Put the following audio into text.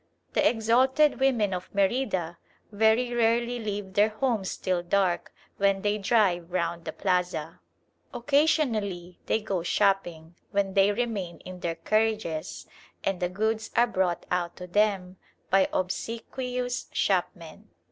The exalted women of Merida very rarely leave their homes till dark, when they drive round the plaza. Occasionally they go shopping, when they remain in their carriages, and the goods are brought out to them by obsequious shopmen.